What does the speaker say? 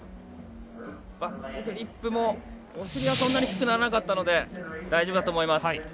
フリップもお尻はそんなに低くなかったので大丈夫だと思います。